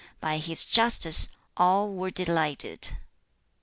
By his justice, all were delighted.